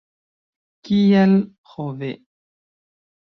Kial, ho ve!